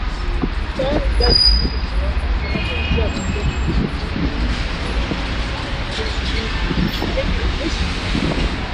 Yeye ni mlevi sana